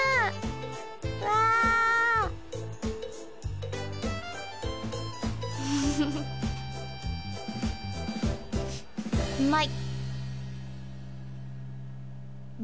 うわうまい！